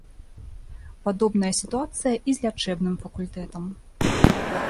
Падобная сітуацыя і з лячэбным факультэтам.